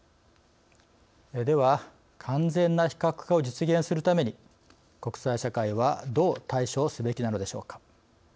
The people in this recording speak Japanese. では完全な非核化を実現するために国際社会はどう対処すべきなのでしょうか。